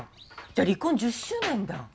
じゃあ離婚１０周年だ。